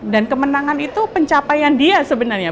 dan kemenangan itu pencapaian dia sebenarnya